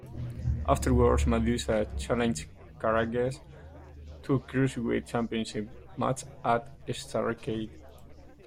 Afterwards, Madusa challenged Karagias to a Cruiserweight Championship match at Starrcade.